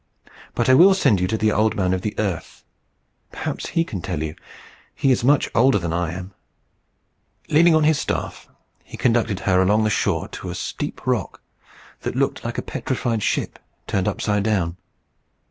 But I will send you to the Old Man of the Earth. Perhaps he can tell you. He is much older than I am." Leaning on his staff, he conducted her along the shore to a steep rock, that looked like a petrified ship turned upside down.